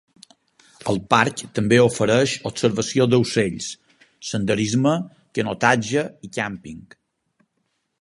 El part també ofereix observació d'ocells, senderisme, canotatge i càmping.